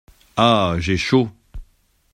Ah ! j’ai chaud !